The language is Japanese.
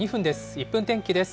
１分天気です。